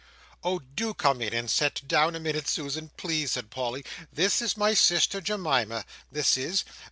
"Oh do come in and sit down a minute, Susan, please," said Polly. "This is my sister Jemima, this is.